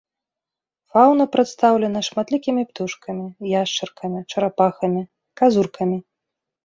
Фаўна прадстаўлена шматлікімі птушкамі, яшчаркамі, чарапахамі, казуркамі.